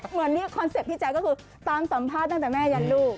เหมือนเรียกคอนเซ็ปต์พี่แจ๊คก็คือตามสัมภาษณ์ตั้งแต่แม่ยันลูก